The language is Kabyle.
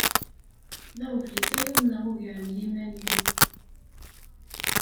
D aɣbel-is ay uḍneɣ ugar n yiman-iw.